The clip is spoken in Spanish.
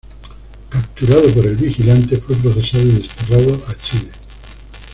Capturado por el "Vigilante", fue procesado y desterrado a Chile.